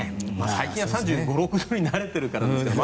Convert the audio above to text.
最近は３５３６度に慣れてるけど。